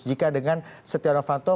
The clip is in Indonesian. jika dengan setiara fanto